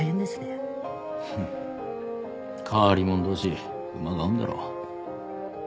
フン変わり者同士馬が合うんだろう。